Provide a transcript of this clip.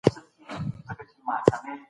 سياسي پرمختګونه ټولني ته ګټه رسوي.